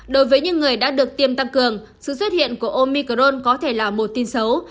đối với những người đã được tiêm tăng cường sự xuất hiện của omicron có thể là một tin xấu